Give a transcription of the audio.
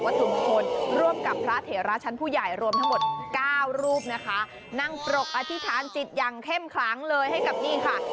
ถุมงคลร่วมกับพระเถระชั้นผู้ใหญ่รวมทั้งหมดเก้ารูปนะคะนั่งปรกอธิษฐานจิตอย่างเข้มขลังเลยให้กับนี่ค่ะ